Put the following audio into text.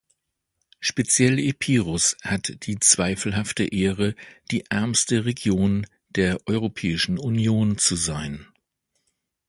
Speziell Epirus hat die zweifelhafte Ehre, die ärmste Region der Europäischen Union zu sein.